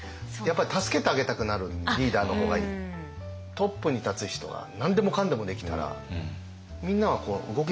トップに立つ人が何でもかんでもできたらみんなは動きませんよね。